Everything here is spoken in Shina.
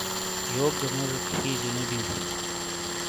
یوک گہ موجیک ہِیجے نے بیوں۔